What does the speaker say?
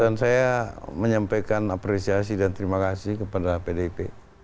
saya menyampaikan apresiasi dan terima kasih kepada pdip